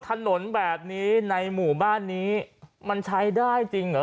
ถนนแบบนี้ในหมู่บ้านนี้มันใช้ได้จริงเหรอ